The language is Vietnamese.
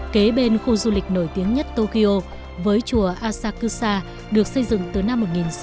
kế bên khu du lịch nổi tiếng nhất tokyo với chùa asakusa được xây dựng từ năm một nghìn sáu trăm bốn mươi chín